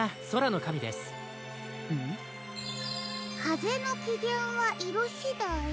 「かぜのきげんはいろしだい」。